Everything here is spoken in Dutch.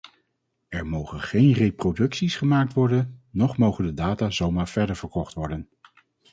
Er mogen geen reproducties gemaakt worden, nog mogen de data zomaar verder verkocht worden.